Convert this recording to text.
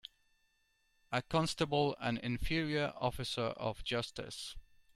A constable an inferior officer of justice.